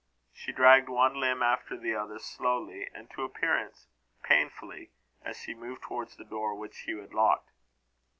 She dragged one limb after the other slowly and, to appearance, painfully, as she moved towards the door which Hugh had locked.